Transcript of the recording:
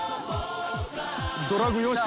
ドラグよし。